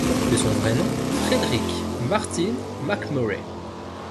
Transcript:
De son vrai nom Fredrick Martin MacMurray.